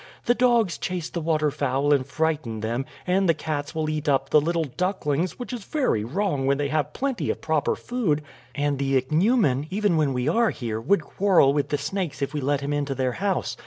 The dogs chase the waterfowl and frighten them, and the cats will eat up the little ducklings, which is very wrong when they have plenty of proper food; and the ichneumon, even when we are here, would quarrel with the snakes if we let him into their house.